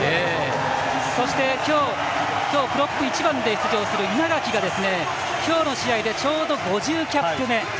そして、今日プロップ、１番で出場する稲垣が今日の試合でちょうど５０キャップ目。